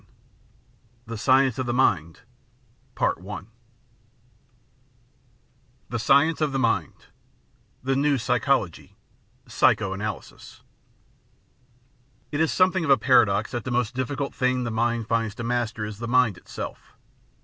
XV THE SCIENCE OF THE MIND 580 THE SCIENCE OF THE MIND THE NEW PSYCHOLOGY— PSYCHO ANALYSIS IT is something of a paradox that the most difficult thing the mind finds to master is the mind itself.